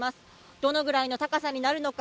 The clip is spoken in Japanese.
どのぐらいの高さになるのか